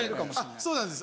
あそうなんです。